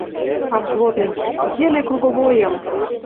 А взводный: «Йӹле круговойым!